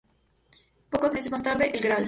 Pocos meses más tarde, el Gral.